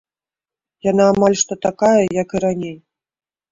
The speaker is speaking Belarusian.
Яна амаль што такая, як і раней.